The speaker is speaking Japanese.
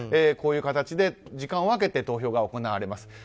こういう形で時間を分けて投票が行われます。